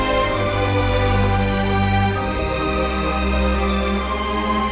เราร่วงใจหัภัยราชวงประชา